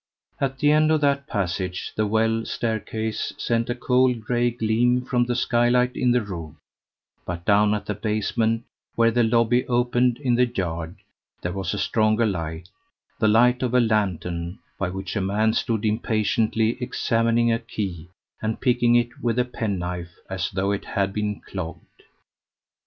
At the end of that passage the well stair case sent a cold gray gleam from the skylight in the roof, but down at the basement, where the lobby opened in the yard, there was a stronger light the light of a lantern, by which a man stood impatiently examining a key, and picking it with a penknife, as though it had been clogged.